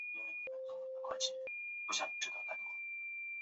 游戏内容为那美克星的故事。